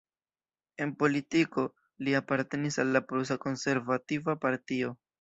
En politiko, li apartenis al la prusa konservativa partio.